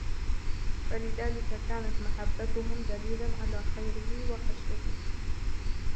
فَلِذَلِكَ كَانَتْ مَحَبَّتُهُمْ دَلِيلًا عَلَى خَيْرِهِ وَخَشْيَتِهِ